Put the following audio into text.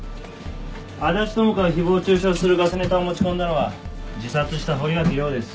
安達智花を誹謗中傷するがせネタを持ち込んだのは自殺した堀脇涼です。